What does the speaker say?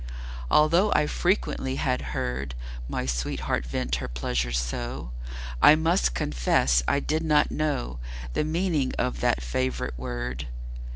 Although I frequently had heard My sweetheart vent her pleasure so, I must confess I did not know The meaning of that favorite word.